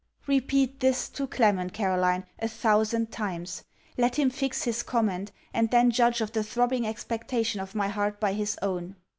Repeat this to Clement, Caroline, a thousand times. Let him fix his comment, and then judge of the throbbing expectation of my heart by his own.